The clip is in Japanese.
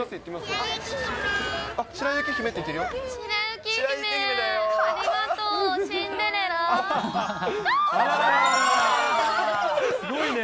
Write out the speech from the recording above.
すごいね。